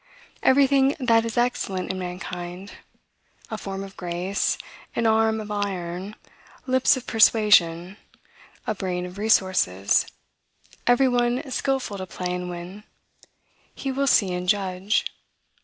Everything that is excellent in mankind, a form of grace, an arm of iron, lips of persuasion, a brain of resources, every one skilful to play and win, he will see and judge.